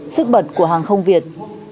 sức bật của hàng không việt